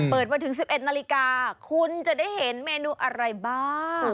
เปิดมาถึง๑๑นาฬิกาคุณจะได้เห็นเมนูอะไรบ้าง